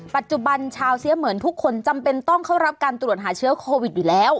ปัจจุบันชาวเสียเหมือนทุกคนจำเป็นต้องเข้ารับการตรวจหาเชื้อโควิดอยู่แล้ว